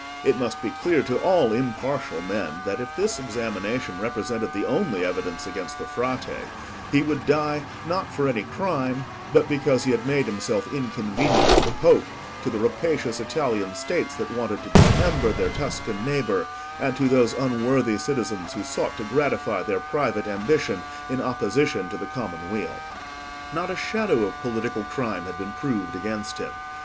It must be clear to all impartial men that if this examination represented the only evidence against the Frate, he would die, not for any crime, but because he had made himself inconvenient to the Pope, to the rapacious Italian States that wanted to dismember their Tuscan neighbour, and to those unworthy citizens who sought to gratify their private ambition in opposition to the common weal. Not a shadow of political crime had been proved against him.